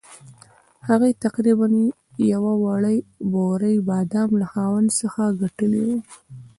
هغې تقریباً یوه وړه بورۍ بادام له خاوند څخه ګټلي وو.